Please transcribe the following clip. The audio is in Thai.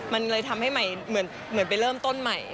มันเลยทำให้ใหม่เหมือนไปเริ่มต้นใหม่